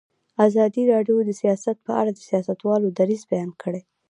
ازادي راډیو د سیاست په اړه د سیاستوالو دریځ بیان کړی.